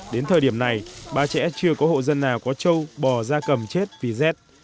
đến thời điểm này ba trẻ chưa có hộ dân nào có trâu bò ra cầm chết vì rét